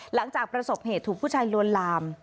หลังจากประสบเหตุถูกผู้ชายลวนลาม